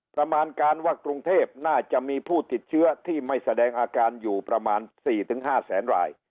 ประมาณการว่ากรุงเทพน่าจะมีผู้ติดเชื้อที่ไม่แสดงอาการอยู่ประมาณ๔๕แสนราย